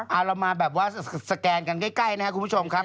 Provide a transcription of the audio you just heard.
เอาเรามาแบบว่าสแกนกันใกล้นะครับคุณผู้ชมครับ